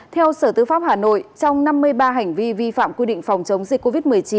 theo sở tư pháp hà nội trong năm mươi ba hành vi vi phạm quy định phòng chống dịch covid một mươi chín